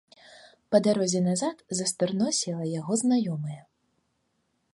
Па дарозе назад за стырно села яго знаёмая.